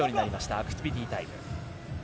アクティビティータイム。